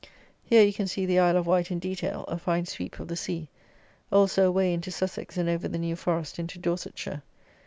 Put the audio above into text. Here you can see the Isle of Wight in detail, a fine sweep of the sea; also away into Sussex, and over the New Forest into Dorsetshire.